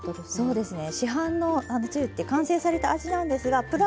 そうですね。